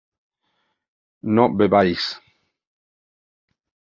¿no bebíais?